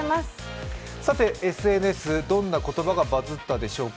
ＳＮＳ、どんな言葉がバズったでしょうか。